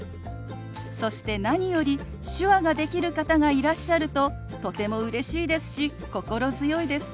そして何より手話ができる方がいらっしゃるととてもうれしいですし心強いです。